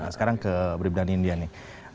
sekarang ke bribdani india nih